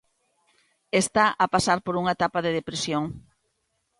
Está a pasar por unha etapa de depresión.